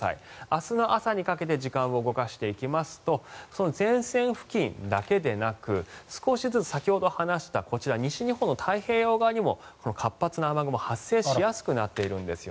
明日の朝にかけて時間を動かしていきますと前線付近だけでなく、少しずつ先ほど話したこちら、西日本の太平洋側にも活発な雨雲が発生しやすくなっているんです。